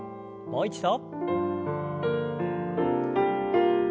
もう一度。